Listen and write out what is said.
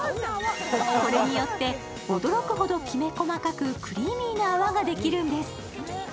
これによって驚くほどきめ細かくクリーミーな泡ができるんです。